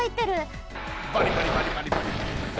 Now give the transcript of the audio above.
バリバリバリバリバリ。